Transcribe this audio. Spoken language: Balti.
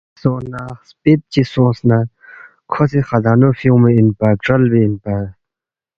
عوام لہ ہلتوخفے سونگس نہ خپِت چی سونگس نہ کھو سی خزانہ فیُونگمی اِنپا، کرالبی اِنپا